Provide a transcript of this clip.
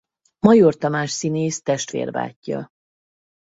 Major Tamás színész testvérbátyja.